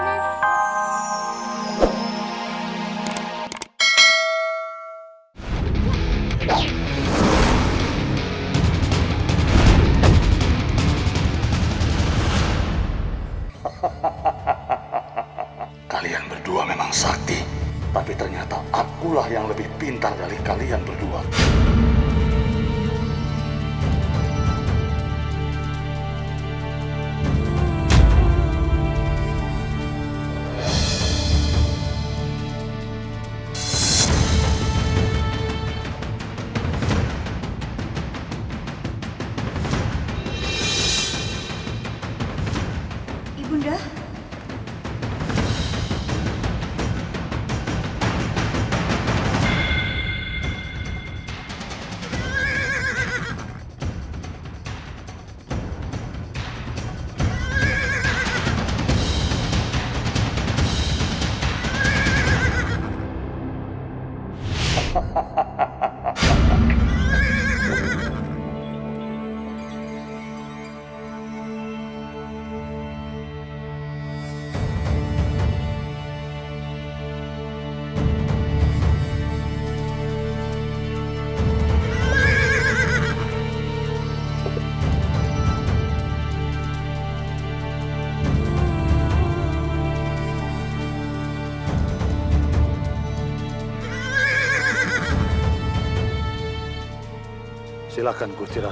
hahaha kalian berdua memang sakti tapi ternyata akulah yang lebih pintar dari kalian berdua